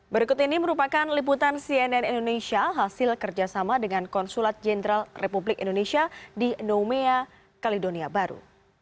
berikut ini merupakan liputan cnn indonesia hasil kerjasama dengan konsulat jenderal republik indonesia di nomea kalidonia baru